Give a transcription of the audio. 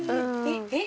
えっ？